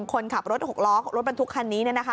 คนขับรถหกล้อรถบรรทุกคันนี้